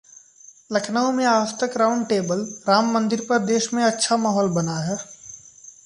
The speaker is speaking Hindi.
लखनऊ में आजतक राउंडटेबलः 'राम मंदिर पर देश में अच्छा माहौल बना है'